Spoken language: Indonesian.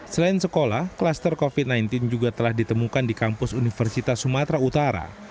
selain sekolah kluster covid sembilan belas juga telah ditemukan di kampus universitas sumatera utara